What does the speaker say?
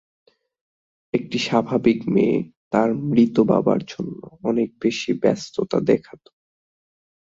একটি স্বাভাবিক মেয়ে তার মৃত বাবার জন্যে অনেক বেশি ব্যস্ততা দেখাত।